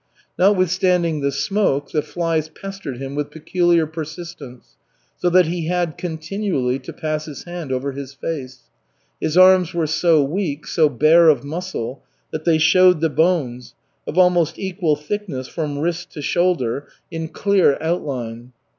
Notwithstanding the smoke, the flies pestered him with peculiar persistence, so that he had continually to pass his hand over his face. His arms were so weak, so bare of muscle, that they showed the bones, of almost equal thickness from wrist to shoulder, in clear outline.